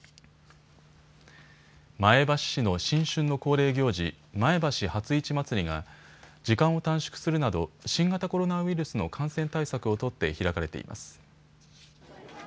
前橋市の新春の恒例行事、前橋初市まつりが時間を短縮するなど新型コロナウイルスの感染対策を取って開かれています。